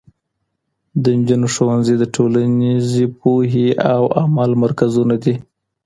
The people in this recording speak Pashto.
د نجونو ښوونځي د ټولنیزې پوهې او عمل مرکزونه دي.